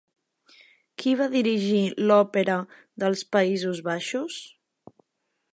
Qui va dirigir l'Òpera dels Països Baixos?